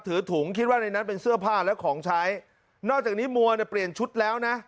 ถือถุงคิดว่าในนั้นเป็นเสื้อผ้าและของใช้นอกจากนี้มัวเนี่ยเปลี่ยนชุดแล้วนะ